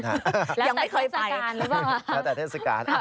แล้วใส่เทศกาลแล้วแต่เทศกาล